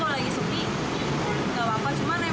kalau lagi suki gak apa apa